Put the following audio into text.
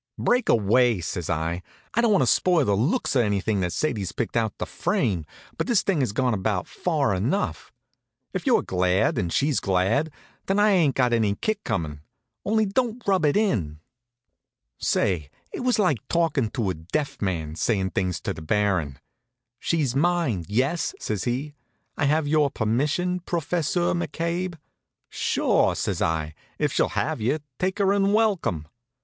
"Break away!" says I. "I don't want to spoil the looks of anythin' that Sadie's picked out to frame, but this thing has gone about far enough. If you're glad, and she's glad, then I ain't got any kick comin'. Only don't rub it in." [Illustration: He had the long lost brother tackle on me.] Say, it was like talkin' to a deaf man, sayin' things to the Baron. "She's mine, yes?" says he. "I have your permission, Professeur McCabe?" "Sure," says I. "If she'll have you, take her and welcome."